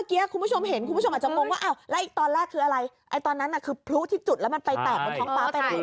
พลุที่จุดแล้วมันไปแตะบนท้องปลาไปทั้งฝั่งสวยงาม